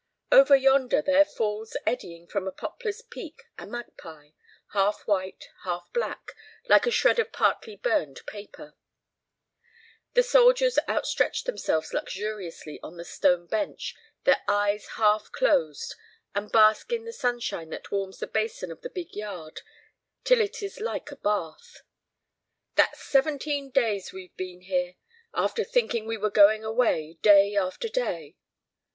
Over yonder, there falls eddying from a poplar's peak a magpie half white, half black, like a shred of partly burned paper. The soldiers outstretch themselves luxuriously on the stone bench, their eyes half closed, and bask in the sunshine that warms the basin of the big yard till it is like a bath. "That's seventeen days we've been here! After thinking we were going away day after day!"